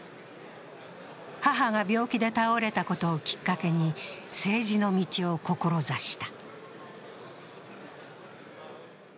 母が病気で倒れたことをきっかけに政治の道を志した。